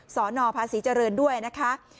สนภาษีเจริญด้วยนะคะ